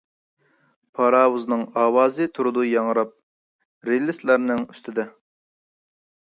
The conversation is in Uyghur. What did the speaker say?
پاراۋۇزنىڭ ئاۋازى تۇرىدۇ ياڭراپ رېلىسلارنىڭ ئۈستىدە.